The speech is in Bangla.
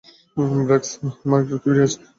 ব্র্যাক্স, আমার একটা থিউরী আছে!